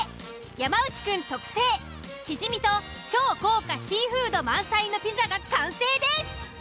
山内くん特製シジミと超豪華シーフード満載のピザが完成です！